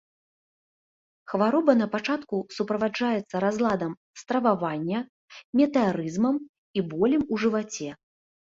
Хвароба на пачатку суправаджаецца разладам стрававання, метэарызмам і болем у жываце.